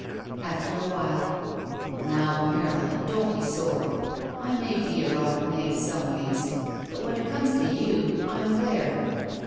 After a while: "Now, Marylin, don't be sore. I may be a rotten egg some ways, but when it comes to you, I'm there."